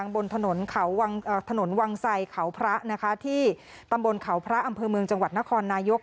บนถนนวังไสเขาพระนะคะที่ตำบลเขาพระอำเภอเมืองจังหวัดนครนายก